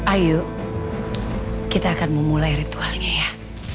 ayo kita akan memulai ritualnya ya